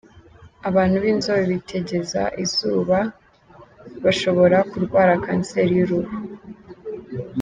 Abantu b’inzobe bitegeza izuba baba bashobora kurwara Kanseri y’uruhu.